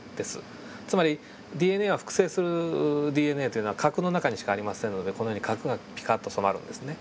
つまりＤＮＡは複製するＤＮＡというのは核の中にしかありませんのでこのように核がピカッと染まるんですね。